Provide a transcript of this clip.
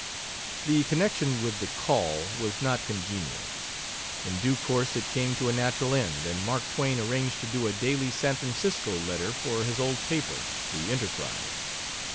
The connection with the Call was not congenial. In due course it came to a natural end, and Mark Twain arranged to do a daily San Francisco letter for his old paper, the Enterprise.